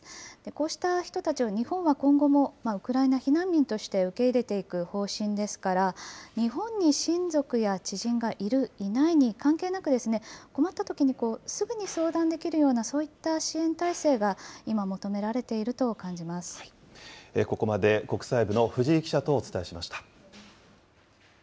こうした人たちを日本は今後もウクライナ避難民として受け入れていく方針ですから、日本に親族や知人がいる、いないに関係なく、困ったときにすぐに相談できるような、そういった支援態勢が今、ここまで国際部の藤井記者とお伝えしました。